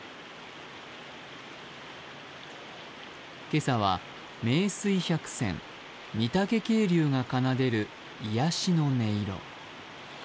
今朝は名水百選、御岳渓流が奏でる癒やしの音色。